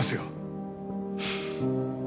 フッ。